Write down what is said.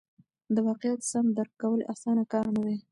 د واقعیت سم درک کول اسانه کار نه دی.